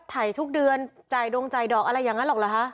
ถ่ายทุกเดือนจ่ายดงจ่ายดอกอะไรอย่างนั้นหรอกเหรอคะ